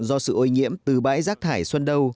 do sự ô nhiễm từ bãi rác thải xuân đông